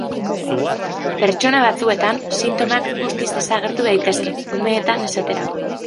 Pertsona batzuetan, sintomak guztiz desagertu daitezke, umeetan esaterako.